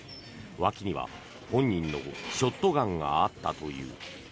脇には本人のショットガンがあったという。